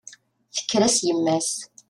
Tekker-as yemma-s.